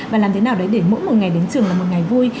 và làm thế nào đấy để mỗi một ngày đến trường là một ngày vui